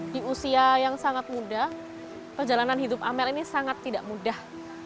di usia yang sangat muda perjalanan hidup amel ini sangat tidak mudah